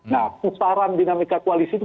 nah putaran dinamika koalisi itu